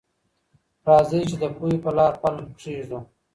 راځئ چي د پوهي په لار پل کېږدو.